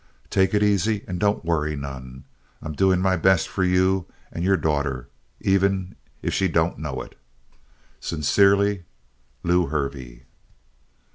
"Take it easy and don't worry none. I'm doing my best for you and your daughter, even if she don't know it. "Sincerely, "LEW HERVEY."